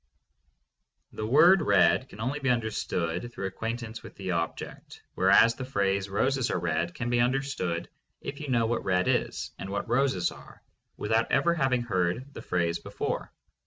The word "red" can only be understood through acquaintance with the object, whereas the phrase "Roses are red" can be understood if you know what "red" is and what "roses" are, without ever having heard the phrase before.